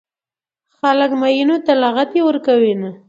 خلک ميينو ته لغتې ورکوينه